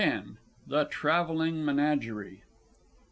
_ THE TRAVELLING MENAGERIE.